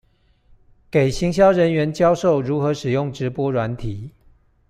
給行銷人員教授如何使用直播軟體